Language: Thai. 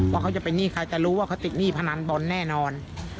ว่าเขาจะเป็นหนี้ใครจะรู้ว่าเขาติดหนี้พนันบอลแน่นอน